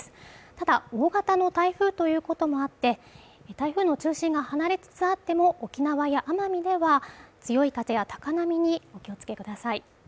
ただ、大型の台風ということもあって、台風の中心が離れつつあっても、沖縄や奄美では強い風や高波にお気をつけください。